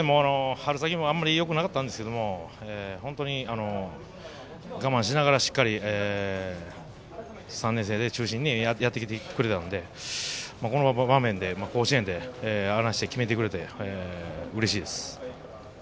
春先もあまりよくなかったんですけど我慢しながらしっかり３年生中心にやってきてくれたのでこの場面で甲子園で決めてくれてうれしいです。